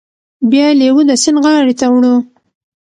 بیا لیوه د سیند غاړې ته وړو.